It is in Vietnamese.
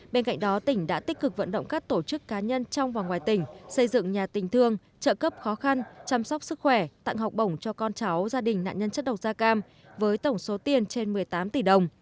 bên cạnh đó tỉnh đã tích cực vận động các tổ chức cá nhân trong và ngoài tỉnh xây dựng nhà tình thương trợ cấp khó khăn chăm sóc sức khỏe tặng học bổng cho con cháu gia đình nạn nhân chất độc da cam với tổng số tiền trên một mươi tám tỷ đồng